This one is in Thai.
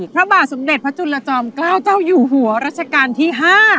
พระบาทสมเด็จพระจุลจอมเกล้าเจ้าอยู่หัวรัชกาลที่๕